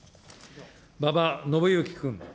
馬場伸幸君。